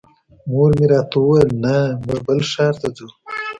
مور مې راته وویل نه موږ بل ښار ته ځو.